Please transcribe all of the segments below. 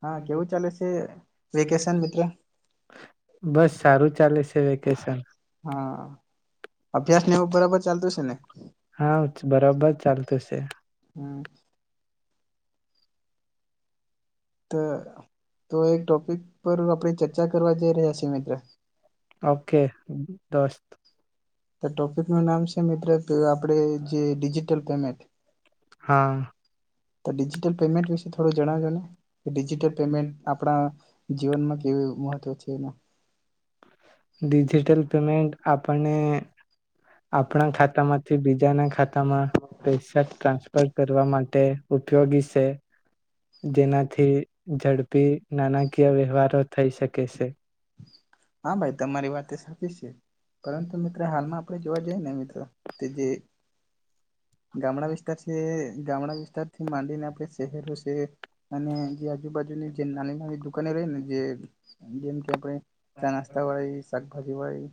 હા કેવું ચાલે છે વેકેશન મિત્ર? હા! અભ્યાસને એવું બરાબર ચાલતું છે ને? હમ [unintelligible] તો એક ટોપિક પર આપણે ચર્ચા કરવા જઈ રહ્યા છીએ મિત્ર, તો ટોપિક નું નામ છે મિત્ર તો આપણે જે ડિજિટલ પેમેન્ટ. હા. તો ડિજિટલ પેમેન્ટ વિશે થોડું જણાવજો ને. ડિજિટલ પેમેન્ટ આપણા જીવનમાં કેવી મહત્વ છે, એના ડિજિટલ પેમેન્ટ આપને, આપણા ખાતામાંથી બીજાના ખાતામાં પૈસા ટ્રાન્સફર કરવા માટે ઉપયોગી શે. જેના થી ઝડપી નાણાકીય વ્યવહારો થઈ શકે છે. હા ભાઈ તમારી વાત. [unintelligible] પરંતુ મિત્રો હાલમાં આપણે જોવા જઈએ ને મિત્રો કે જે ગામડા વિસ્તાર શે, ગામડા વિસ્તાર થી માંડીને આપડ શહેરો વિસ્ત કે. અને જે આજુબાજુની જે નાની નાની દુકાને રેને જે જેમ કે આપણે ચા નાસ્તા વાળી શાકભાજી. જેવાાઈ.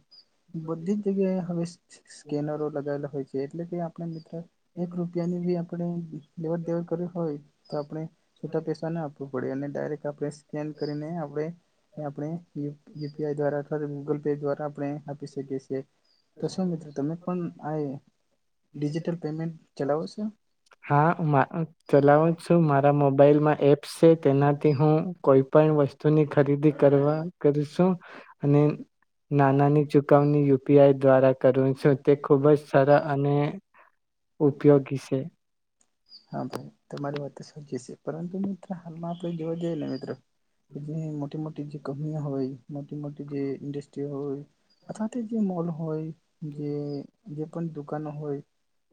બધી જ જગ્યાએ હવે સ્ સ્કેનરો લગાવેલા હોય છે, એટલે કે આપણે મિત્ર એક રૂપિયાની બી આપણે લેવડ દેવડ કરી હોય તો આપણે કમિશન ના આપવુ પડે અને ડાયરેક્ટ આપણે સ્કેન કરીને આપણે આપણે યુપીઆઈ દ્વારા કરવું યુપીઆઈ દ્વારા આપણે આપી શકીએ શીએ. તો શું મિત્રો તમે પણ આય ડિજિટલ પેમેન્ટ ચલાવો શો. મોબાઇલમાં એપ્સ શે તેનાથી હું કોઈ પણ વસ્તુની ખરીદી કરવા કરુ શુઅને નાનાની ચુકવણી યોગ યુ પી આઈ દ્વારા કરું છું તે ખુબ જ સારા અને ઉપયોગી શે. હા, ભાઈ તમારી વાત તો સમજી શે. પરંતુ મિત્ર હાલમાં તો જોવા જાયે ને મિત્ર એટલે મોટી-મોટી મોટી જે કંપનીઓ હોય મોટી-મોટી જે ઇન્ડસ્ટ્રી હોય અથવા તે જે મોલો હોય. જે જે પણ દુકાનો હોય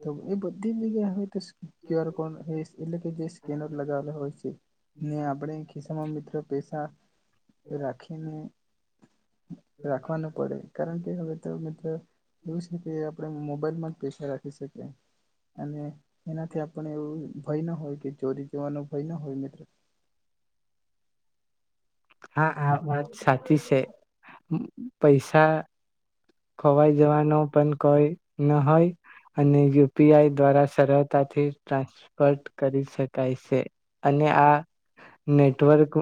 તો એ બધી જગ્યા [unintelligible] ક્યુ આર કોડ હોય એટલે કે જે સ્કનર લગાવેલા હોય છે. ને આપણે ખિસ્સામાં મિત્ર પૈસા રાખીને રાખવા ન પડે કારણ કે હવે તો મિત્ર એવું છે કે, આપણે મોબાઈલ મોબાઈલમાં જ પૈસા રાખી શકીએ. અને એનાથી આપ પણ એવું ભય ના હોય કે ચોરી થવાનો હોય ના હોય મિત્ર હાં હાં વાત સાચી છે, પૈસા ખોવાઈ જવાનો પણ કોઈ ન હોય, અને યુ પી આઈ દ્વારા સરળતાથી ટ્રાન્સફર કરી શકાય છે, અને આ નેટવર્ક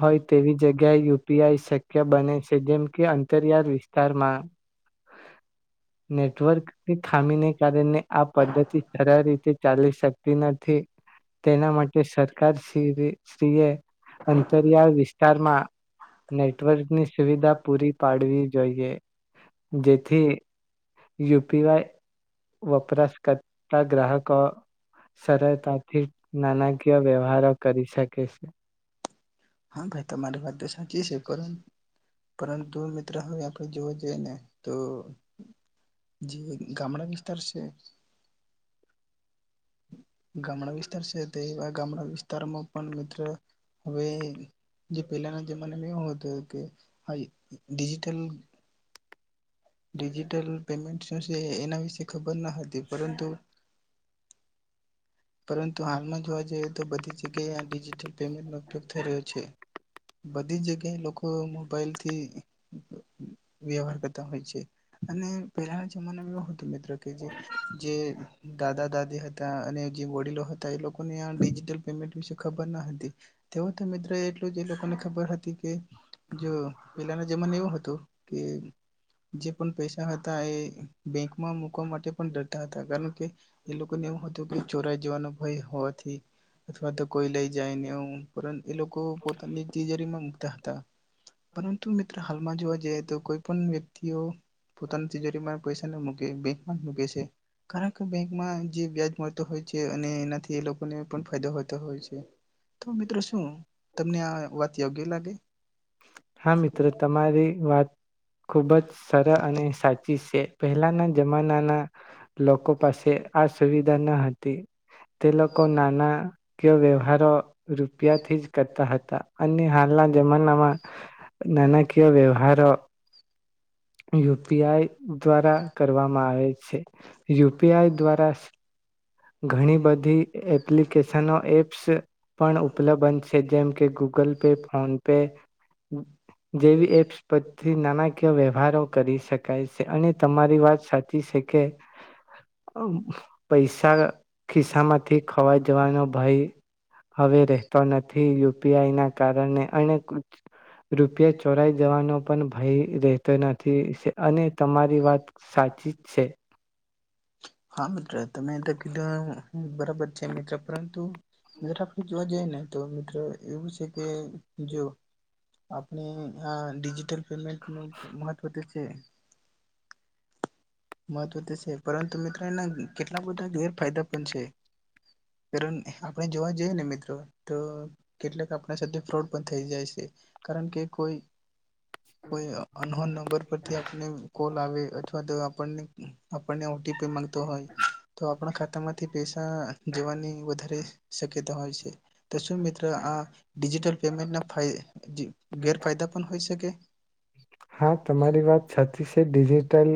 હોય તેવી જગ્યાએ યુપીઆઈ શક્ય બને છે, જેમ કે અંતરિયાળ વિસ્ત વિસ્તારમાં નેટવર્કની ખામીને કારણે, આ પદ્ધતિ સરળ રીતે ચાલી શકતી નથી, તેના માટે સરકારસીએ શ્રીએ અંતરિયાળ વિસ્તારમાં નેટવર્કની સુવિધા પૂરી પાડવી. જોઈએ, જેથી યુ પી આઈ વપરાશ કરતા ગ્રાહકો સરળતાથી નાણાકીય વ્યવહારો કરી શકે છે. હાં ભાઈ તમારી વાત સા સાચી છે પરંતુ પરંતુ મિત્ર‌ હવે જોવા જઈએ ને તો જે ગામડા વિસ્તાર છે. ગામડા વિસ્તાર છે. એવા ગામડાં વિસ્તારમાં પણ મિત્ર. હવે જે પહેલાના જમાના [unintelligible] ડિજિટલ ડિજિટલ પેમેન્ટ શું છે એના વિશે ખબર? પણ ન હતી, પરંતુ પરંતુ હાલમાં જોવા જઈએ તો બધી જ જગ્યાએ આ ડીજીટલ પેમેન્ટ નો ઉપયોગ થઈ રહ્યો છે. બધી જ જગ્યાએ લોકો મોબાઈલથી વ્યવહાર કરતા હોય છે. અને પહેલાંના જમાનામાં એવ હતું મિત્રો કે જે જે દાદા દાદી હતા, અને જે વડીલો હતા એ લોકોને આ ડિજટલ પેમેન્ટ વિશે ખબર ના હતી. તે તો મિત્ર એ એટલું જ એ લોકોને ખબર હતી કે જો પેલાના જમાના એવું હતું કે જે પણ પૈસા હતા એ બેંકમાં મુૂકવા માટે પણ ડરતા હતા કારણ કે એ લોકોને એવું હતું કે. ચોરાઈ જવાનો ભય હોવાથી અથવા તો કોઈ લઈ જાય ને એ લોકો પોતાની તિજોરીમાં મુકતા હતા પરંતુ મિત્ર હાલમાં જોવા જઈએ તો કોઈ પણ વ્યક્તિઓ પોતાની તિજોરીમાં પૈસા ના મૂકે બેંકમાં મકે છે કારણ કે બેકમાં જે વ્યાજ મ હોય છે અને એનાથી એ લોકોને પણ ફાયદો હોતો હોય છે. તો મિત્રો શું તમને આ વાત યોગ્ય લાગે? તે લોકો નાનાકીય વ્યવહારો રૂપિયાથી જ કરતા હતા અને હાલના જમાનામાં નાણાકીય વ્યવહારો. યુપીઆઈ દ્વારા કરવામાં આવે છે, યુપીઆઈ દ્વારા. ઘણી બધી એપ્લિકેશનો એપ્સ પણ ઉપલબ્ંધ છે જેમ કે ગૂગલ પે, ફોન પે જેવી એપ્સ પરથી નાણાકીય વ્યવહારો કરી શકાય છે, અને તમારી વાત સાચી છે કે પૈ પૈસા ખિસ્સા માંથી ખવાઈ જવાનો ભય હવે રતો નથી, યુપીઆઈ ના કારણે અને રૂપિયા ચોરાઈ જવાનો પણ ભય રહેતો નથી અને તમારી વાત સાચી છે. હા મિત્ર. તમે તો કીધું બરાબર છે મિત્ર પરંતુ. મિત્ર આપે જોવા જાય નને તો. એવું છે કે જો. આપની હા. ડિજિટલ પેમેન્ટ નું મહત્વ તે છે. મહત્વ તો છે પરંતુ મિત્ર ના કેટલા બધા ગેરફાયદા પણ છે, આપણે જોવા જઈએ ને મિત્રો તો કેટલાક આપણા સાથે ફ્રોડ. થઈ જાય છે કારણ કે કોઈ કોઈ અંહોન નંબર પરથી આપને કોલ આવે અથવા તો આપણને ઓટીપી માંગતો હોય. તો આપણા ખાતામાંથી પૈ જવાનની વધારે શક્યતા. હોય છે તો શું મિત્રો આ ડિજિટલ ફાય પેમેન્ટ ના ગેરફાયદા પણ હોય શકે. હા તમારી વાત છા ચિ છે ડિજિટલ.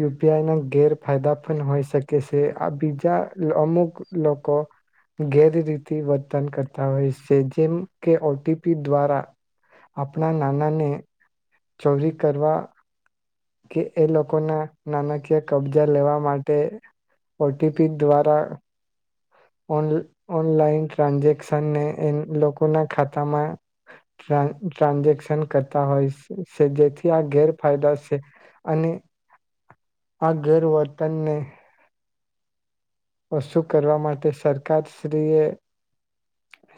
યુ પી આઈ ના ગેરફાયદા પણો હોય શકે છે, આ બીજા અમુક લોકો ગેરરીતિ વર્તન કરતા હોય છે, જેમ કે ઓ ટી પી દ્વારા આપણા નાનાને ચોરી કરવા કે એ લોકોના નાણાકીય કબજા લેવા માટે, ઓ ટી પી દ્વારા ઓન ઓનલાઈન ટ્રાન્ઝેક્શનને લોકો ના ખાતામાં ટ્રાન ટ્રાન્ઝેક્શન કરતા હોય. જેથી આ ગેરફાયદા છે અને આ ઘેર વર્તનને વસુ કરવા માટે, સરકારશ્રીએ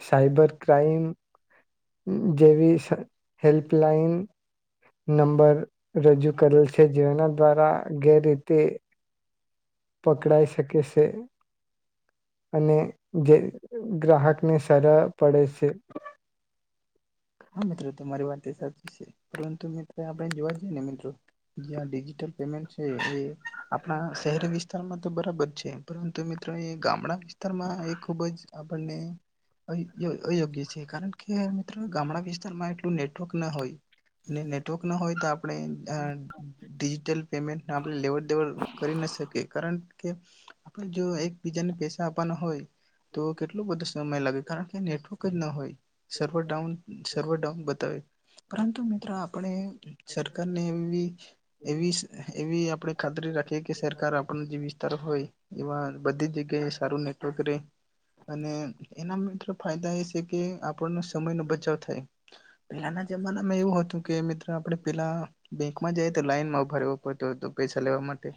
સાઈબર ક્રાઈમ જેવી હેલ્પલાઈન નંબર રજૂ કરેલ છે, જેના દ્વારા ગેર રીતે પકડાઈ શકે છે. અને જે ગ્રાહકને સરહ પડે છે. હા, મિત્રો તમારી વાત એ સાચ ચી, પરંતુ મિત્ર આપણે જોવા જઈએ ને મિત્રો જ્યા ડિજિટલ પેમેન્ટ છે, એ આપણા શહેરી વિસ્તારમાં તો બરાબર છે, પરણ તમે તો એ ગામડા વિસ્તારમાં એ ખૂબ જ આપણને અયો અયોગ્ય છે, કારણ કે મિત્રો ગામડા રમાં એટલું નેટવર્ક ના હોય. ને નેટવર્ક ના હોય તો આપણે આ ડિજિટલ પેમેન્ટ આપણે લેવડ દેવડ કરી ના શકીએ, કારણ કે આપણે જો એકબીજાને પૈસા આપવાના હોય તો કેટલો બધો સમય લાગે. કારણ નેટવર્ક જ ના હોય સર્વર ડાઉન સર્વર ડાઉન બ તાવે. પરંતુ મિત્રો આપણે સરકારને એવી બી એવી સ એવી આપણે ખાતરી રાખીએ કે સરકાર આપણને જે વિસ્તાર હોય, એવા બધી જ જગ્યાએ સારું નેટવર્ક રેય, અને એના મિત્ર ફાયદા એ છે કે આપણનો સમયનો બચાવ થાય. પહેલાના જમાનામાં એવું હતું કે મિત્ર આપણે પેલા બેંકમાં જઈએ તો લાઈનમાં ઉભા રેવું પડતું હતું પૈસા લેવા માટે,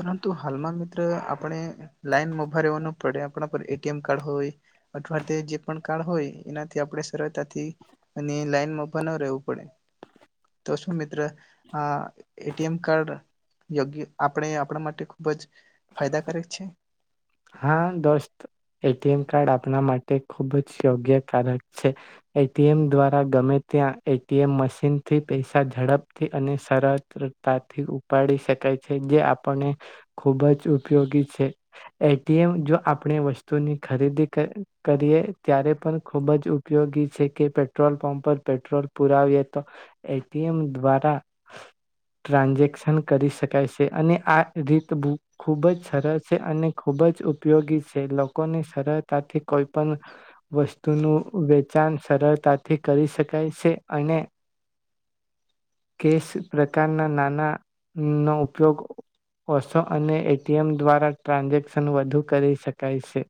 પરંતુ હાલમાં મિત્ર આપણે લાઈનમાં ઉભા રેવાનું પડે આપણા પર એ એ ટી એમ કાર્ડ હોય, અથવા તે જે પણ કાર્ડ હોય એનાથી આપણે સરળતાથી અને લાઈનમાં ઉભા ન રહેવું પડે. તો શું મિત્ર આ એ ટી એમ કાર્ડ યોગ્ય આપણે આપણા માટે ખૂબ જ ફાયદાકારક છે? હા દોસ્ત. એ ટી એમ કાર્ડ આપણા માટે ખૂબ જ યોગ્ય કારક છે. એ ટી એમ દ્વારા ગમે ત્યાં એ ટી એમ મશીનથી પૈસા ઝડપથી અને સરળતતાથી ઉપાડી શકાય છે, જે આપણને ખૂબ જ ઉપયોગી છે. એ ટી એમ જો આપણે વસ્તુની ખરીદી કરીએ ત્યારે પણ ખૂબ જ ઉપયોગી છે. કે પેટ્રોલ પંપ પર પેટ્રોલ પુરાવીએ, તો એ ટી એમ દ્વારા ટ્રાન્ઝેક્શન કરી શકાય છે, અને આ રીત ખુબ જ સરળ છે, અને ખૂબ જ ઉપયોગી છે. લોકોને સરળતાથી કોઈ પણ વસ્તુનું વેચે સરળતાથી કરી સકાય છે અને, કેશ પ્રકારના નાનાનો ઉપયોગ ઓશો અને એ ટી એમ દ્વારા ટ્રાન્ઝેક શન વધુ કરી શકાય છે.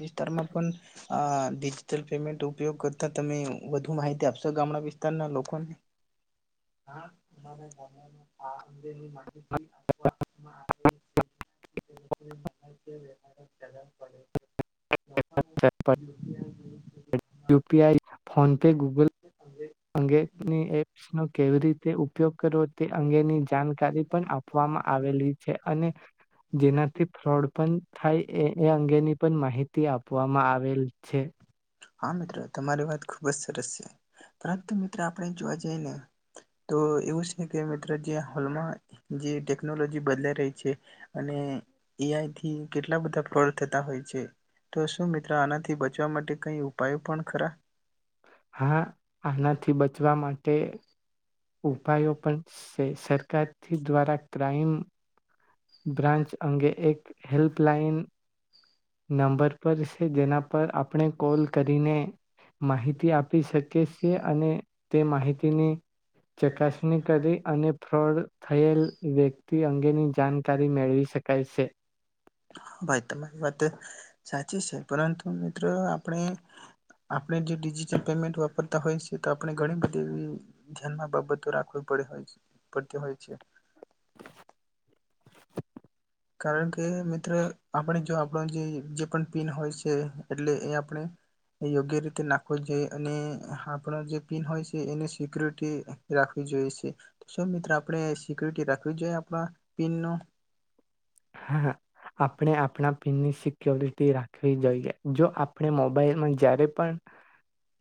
વિસ્તારમાં પણ આ ડિજટલ પેમેન્ટ ઉપયોગ કરતા તમે વધુ માહિતી આપશો ગામડા વિસ્તારના લોકોને? U P I, PhonePe, Google અંગેની એપ્સનો કેવી રીતે ઉપયોગ કરવો તે અંગેની જાનકારી પણ આપવામાં આવેલી છે, અને જેનાથી ફ્રોડ પણ થાય એ એ અંગેની પણ માહિતી આપવામાં આવેલ છે. હા મિત્ર તમારી વાત ખુબજ સરસ છે. પરંતુ મિત્રો આપણે જોવા જ તેને તો એવું છે કે મિત્રો કે હાલમાં જે ટેકનોલોજી બદલાઈ રહી છે અને એઆઈ કેટલા બધા ફ્રોડ થયા હોય છે. તો શું મિત્ર આનાથ બચવા માટે કઈ ઉપાયો પણ ખરા? ઉપાયો પણ છે સરકારથી દ્વારા ક્રાઈમ બ્રાન્ચ અંગે એક હેલ્પલાઈન નંબર પર છે જેના પ પણ આપણે કોલ કરીને માહિતી આપી શકીએ છીએ, અને તે માહિતીની ચકાસણી કરી અને ફ્રોડ થયેલ વ્યક્તિ અંગેની જાણકારી મેળવી શકાય છે. સાચુ છે પરંતુ મિત્રો આપણે આપણે જે ડિજિટલ પેમેન્ટ વાપરતા હોય છે. તો આપણે ઘણી બધીવી ધ્યાનમાં બાબતો રાખવી પડે હોય છે પડતી હોય છે. કારણ કે મિત્ર આપણે જો આપણો જે જે પણ પીન હોય છે એટલે એ આપણે યોગ્ય રીતે નાખવો જોઈએ અને આપણ જે પીન હોય છે એને સિકુરિટી રાખવી જોઈએ છે. શું મિત્ર આપણે સિકુરિટી રાખવી જોઈએ આપણા પિન નો? હા આપણે આપણા પિનની સિક્યોરિટી રાખવી જોઈએ. જો આપણે મોબાઈલમાં જ્યારે પણ,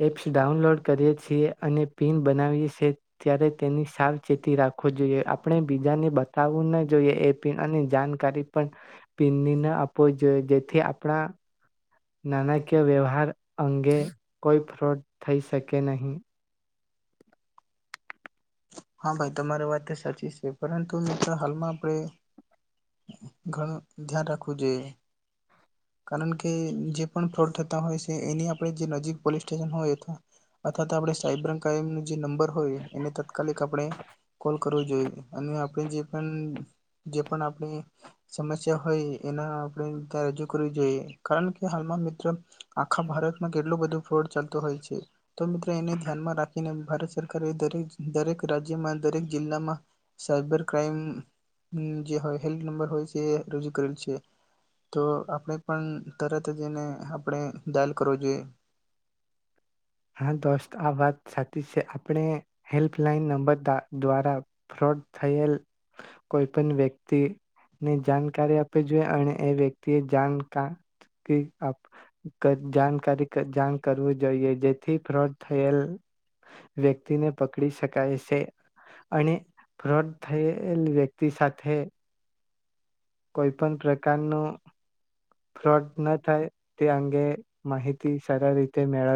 એપ્સ ડાઉનલોડ કરીએ છીએ અને પિન બનાવીએ છીએ, ત્યારે તેની સાવચેતી રાખવું જોઈએ. આપણે બીજાને બતાવવું ના જોઈએ એ પિન અને કારી પણ પીનની ના આપવું જોઈએ, જેથી આપણા નાણાકીય વ્યવહાર અંગે, કોઈ ફ્રોડ થઈ શકે નહીં. હા ભાઈ, તમારી વાત તો સાચી છે, પરંતુ મિત્ર હાલમાં આપણે ઘણું ધ્યાન રાખવું જોઈયે કારણ કે, જે પણ ફ્રોડ થતા હોય છે એ એની આપણે જે નજીક પોલીસ સ્ટેશન હોય અથવા અથવા તો આપણે સાયબર ક્રાઈમ જે નંબર હોય, એને ત તાત્કાલિક આપણે કોલ કરવો જોઈએ. અને આપણે જે પણ જે પણ આપણે સમસ્યા હોય એના આપણે ત્યારે જો કરવી જોઈએ, કારણ કે હાલમાં મિત્ર, આખા ભારતમાં કેટલો બધો ફ્રોડ ચાલતો હોય છે. તો મિત્ર એને ધ્યાનમાં રાખીને ભારત સરકારે દરેક દરેક રાજ્યમાં, દરેક જિલ્લામાં સાયબર ક્રાઈમ, જે હોય હેલ્પ નંબર હોય છે, રજૂ કરેલ છે. તો આપણે પણ તરત જ એને આપણે ડાયલ કરવો જોઈએ. હેલ્પલાઇન નંબર દ્વારા. ફ્રોડ થયેલ કોઈ પણ વ્યક્તિને જાણકારી આપવી જોઈએ અને એ વ્યક્તિએ જાણકાર જાણ કરવું જોઈએ જેથી ફ્રોડ થયેલ વ્યક્તિને. શકાય સે અને. ફ્રોડ થયેલ વ્યક્તિ સાથે. કોઈ પણ પ્રકાર નું ફ્રોડ ન થાય તે અંગે માહિતી સરળ રીતે મેળવી.